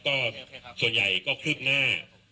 ก็ส่วนใหญ่ก็คืบหน้า